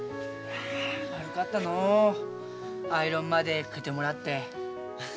悪かったのうアイロンまでかけてもらって。